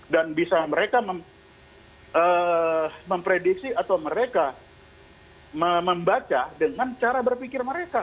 dan bisa mereka memprediksi atau mereka membaca dengan cara berpikir mereka